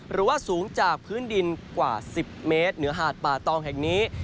หรือว่าสูงจากพื้นดินกว่า๑๐เมตรเหนือหาดป่าตองแห่งนี้